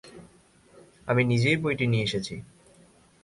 আমি নিজেই বইটি নিয়ে এসেছি।